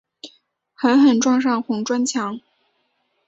狠狠撞上红砖墙